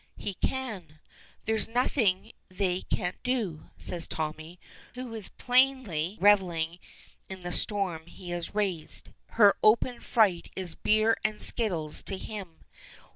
"He can. There's, nothing they can't do," says Tommy, who is plainly revelling in the storm he has raised. Her open fright is beer and skittles to him.